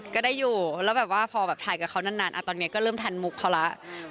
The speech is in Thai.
ก็ได้อยู่แล้วแบบว่าพอแบบถ่ายกับเขานานตอนนี้ก็เริ่มทันมุกเขาแล้ว